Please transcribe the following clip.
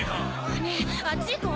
ねぇあっち行こう。